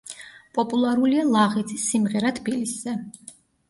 პოპულარულია ლაღიძის „სიმღერა თბილისზე“.